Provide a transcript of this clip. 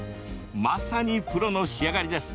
まさにプロの仕上がりです。